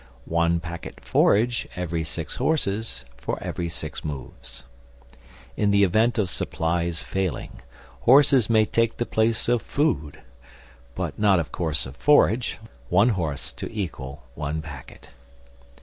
One packet forage every six horses for every six moves. In the event of supplies failing, horses may take the place of food, but not of course of forage; one horse to equal one packet.